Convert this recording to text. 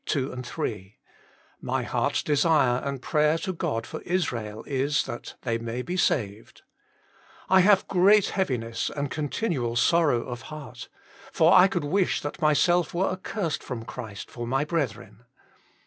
2, 3: "My heart s desire and prayer to God for Israel is, that they may be saved "; "I have great heaviness and 158 THE MINISTRY OF INTERCESSION continual sorrow of heart ; for I could wish that my self were accursed from Christ for my brethren."